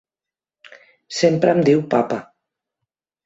Sempre em diu papa.